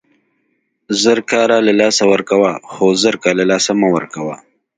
زر کاره له لاسه ورکوه، خو زرکه له له لاسه مه ورکوه!